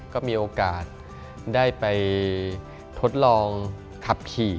ก็มีโอกาสได้ไปทดลองขับขี่